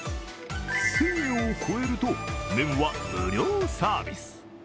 １０００円を超えると麺は無料サービス。